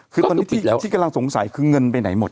คือกับตืนปิดแล้วที่ที่กำลังสงสัยคือเงินไปไหนหมด